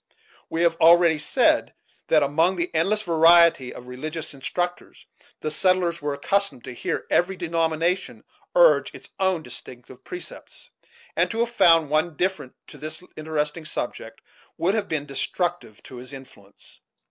We have already said that, among the endless variety of religious instructors, the settlers were accustomed to hear every denomination urge its own distinctive precepts, and to have found one indifferent to this Interesting subject would have been destructive to his influence.